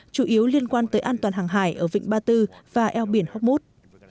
chủ yếu liên quan tới an toàn hàng hải ở vịnh ba tư và eo biển horkmut